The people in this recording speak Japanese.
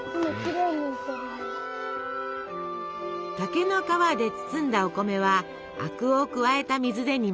竹の皮で包んだお米は灰汁を加えた水で煮ます。